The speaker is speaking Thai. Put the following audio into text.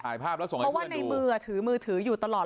ถ่ายภาพแล้วส่งให้เพื่อนดูเพราะว่าในมือถือมือถืออยู่ตลอด